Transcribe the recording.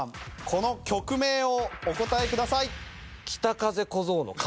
この曲名をお答えください。